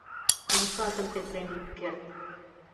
Умшатым петырен ит керт!